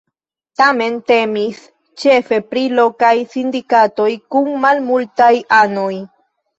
Tamen temis ĉefe pri lokaj sindikatoj kun malmultaj anoj.